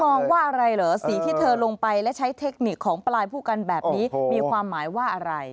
มองว่าอะไรเหรอสีที่เธอลงไปและใช้เทคนิคของปลายผู้กันแบบนี้มีความหมายว่าอะไร